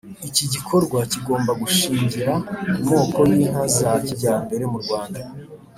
iki gikorwa kigomba gushingira ku moko y'inka za kijyambere mu rwanda.